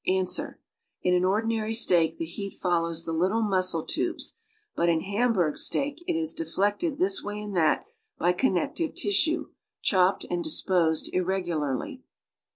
^ Ans. In an ordinary steak the lietit follows the little muscle tubes, btit in Htimburg steak it is deflected this w;iy ;ind that l)y con nective tissue, chopped ;ind disposed irregularly.